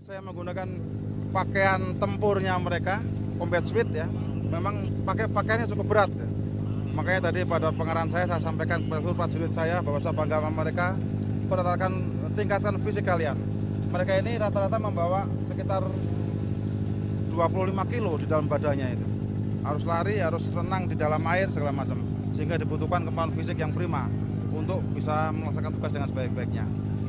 sehingga dibutuhkan kemampuan fisik yang prima untuk bisa melaksanakan tugas dengan sebaik baiknya